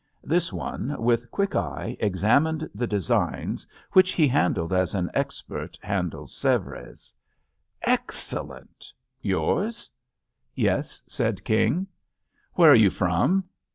This one^ with quick eye, examined the design$, which he handled as an expert handles Sevres. "Excellent! Yours?" "Yes," said King. "Where are you from?"